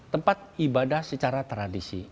tempat ibadah secara tradisi